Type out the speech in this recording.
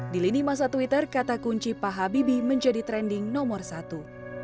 di lini masa twitter kata kunci pak habibie menjadi trending nomor satu